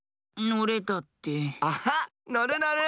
のるのる！